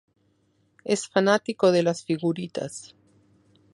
Es fanático de las figuritas.